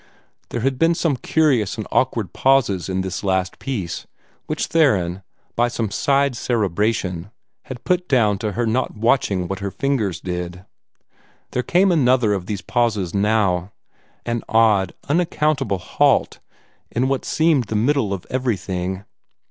There had been some curious and awkward pauses in this last piece, which Theron, by some side cerebration, had put down to her not watching what her fingers did. There came another of these pauses now an odd, unaccountable halt in what seemed the middle of everything.